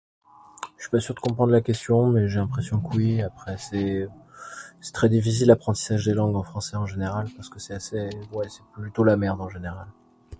Je suis pas sûr de comprendre la question mais j'ai l'impression qu'oui, après c'est, c'est très difficile l'apprentissage des langues en français en général, parce que c'est assez, ouais, c'est plutôt la merde en général.